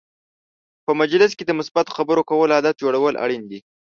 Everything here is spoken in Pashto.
په مجلس کې د مثبت خبرو کولو عادت جوړول اړین دي.